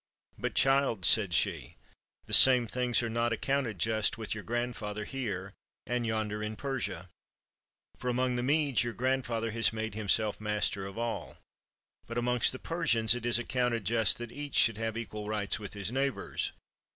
"But, child," said she, " the same things are not ac counted just with your grandfather here, and yonder in Persia; for among the Medes, your grandfather has made himself master of all; but amongst the Persians, it 301 PERSIA is accounted just that each should have equal rights with his neighbors.